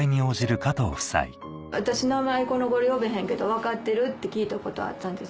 「私の名前この頃呼ばへんけど分かってる？」って聞いたことあったんです。